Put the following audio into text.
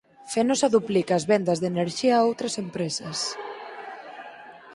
Fenosa duplica as vendas de enerxía a outras empresas